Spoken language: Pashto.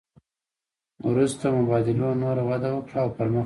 وروسته مبادلو نوره وده وکړه او پرمخ ولاړې